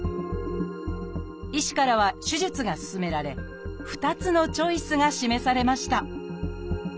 医師からは手術が勧められ２つのチョイスが示されました。